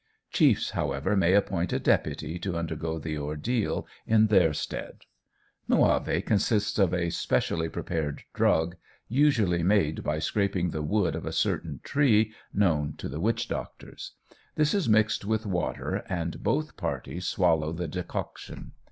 Chiefs, however, may appoint a deputy to undergo the ordeal in their stead. Muavi consists of a specially prepared drug, usually made by scraping the wood of a certain tree known to the witch doctors; this is mixed with water, and both parties swallow the decoction.